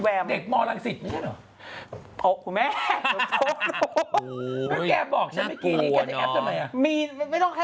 เด็กมลังศิษย์เนี่ยเหรออ๋อคุณแม่